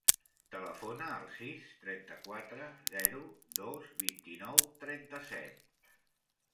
Telefona al sis, trenta-quatre, zero, dos, vint-i-nou, trenta-set.